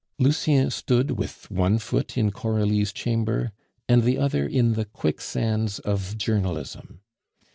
Lucien stood with one foot in Coralie's chamber and the other in the quicksands of Journalism.